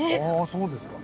そうですか。